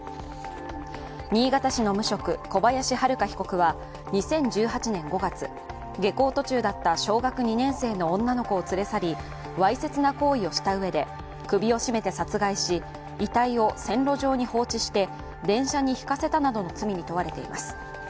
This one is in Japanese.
新潟市の無職、小林遼被告は２０１８年５月、下校途中だった小学２年生の女の子を連れ去りわいせつな行為をしたうえで、首を絞めて殺害し遺体を線路上に放置して電車にひかせたなどの罪に問われています。